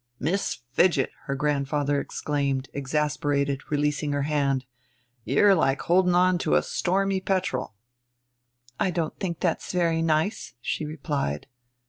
"Miss Fidget!" her grandfather exclaimed, exasperated, releasing her hand. "You're like holding on to a stormy petrel." "I don't think that's very nice," she replied.